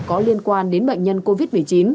có liên quan đến bệnh nhân covid một mươi chín